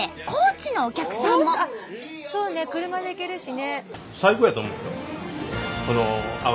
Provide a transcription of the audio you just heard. そうね車で行けるしね。